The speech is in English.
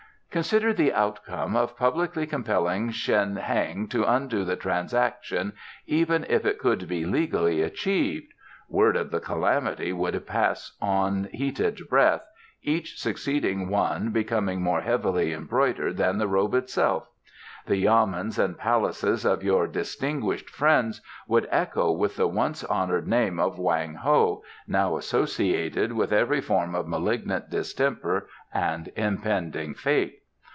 "Consider the outcome of publicly compelling Shen Heng to undo the transaction, even if it could be legally achieved! Word of the calamity would pass on heated breath, each succeeding one becoming more heavily embroidered than the robe itself. The yamens and palaces of your distinguished friends would echo with the once honoured name of Wang Ho, now associated with every form of malignant distemper and impending fate.